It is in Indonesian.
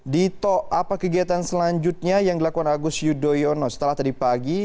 dito apa kegiatan selanjutnya yang dilakukan agus yudhoyono setelah tadi pagi